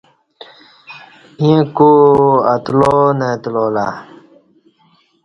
اینہ کو اتلا نہ اتلا۔